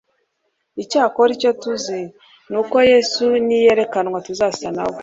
Icyakora icyo tuzi ni uko Yesu niyerekanwa tuzasa na we,